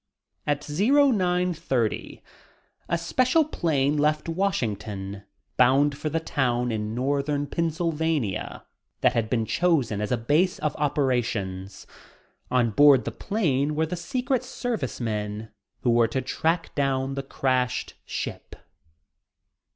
At 0930 a special plane left Washington, bound for the town in northern Pennsylvania that had been chosen as a base of operations. On board the plane were the Secret Service men who were to track down the crashed ship.